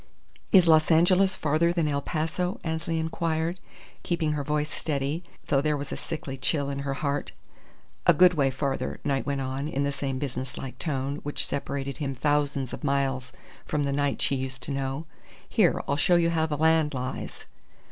"Is Los Angeles farther than El Paso?" Annesley inquired, keeping her voice steady, though there was a sickly chill in her heart. "A good way farther," Knight went on, in the same businesslike tone which separated him thousands of miles from the Knight she used to know. "Here, I'll show you how the land lies."